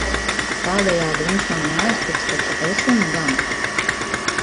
Tādejādi viņš mani neaiztiks, taču es viņu gan.